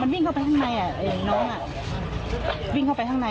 วิ่งเข้าไปข้างในน้องวิ่งเข้าไปข้างใน